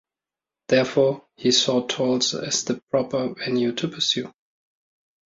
Therefore, he saw tolls as the proper venue to pursue.